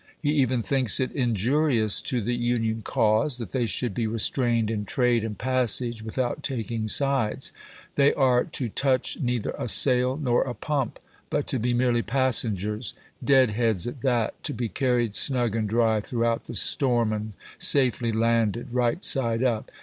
He even thinks it injurious to the Union cause that they should be restrained in trade and passage without taking sides. They are to touch neither a sail nor a pump, but to be merely passengers, — dead heads at that, — to be carried snug and dry throughout the storm, and safely landed, right side up.